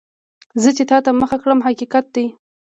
زه چې تا ته مخ کړم، حقیقت دی.